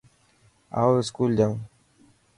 آو اسڪول جائون.